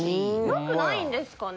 良くないんですかね？